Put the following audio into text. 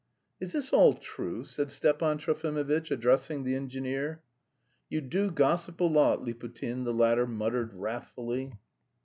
"Is this all true?" said Stepan Trofimovitch, addressing the engineer. "You do gossip a lot, Liputin," the latter muttered wrathfully.